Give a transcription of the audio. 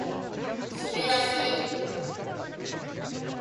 しめだし